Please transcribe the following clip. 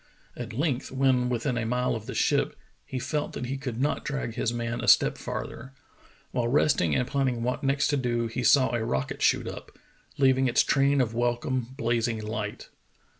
At length, when within a mile of the ship, he felt that he could not drag his man a step farther. While resting and planning what next to do, he saw a rocket shoot up, leaving its train of welcome blazing hght.